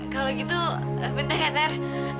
kalau gitu bentar ya ter